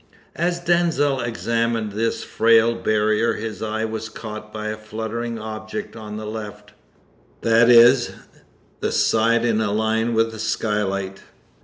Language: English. As Denzil examined this frail barrier his eye was caught by a fluttering object on the left that is, the side in a line with the skylight.